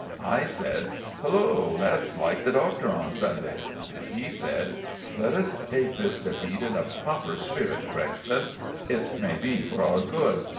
I said— "Hullo! That's like the Doctor on Sunday." And he said— "Let us take this defeat in a proper spirit, Gregson. It may be for our good.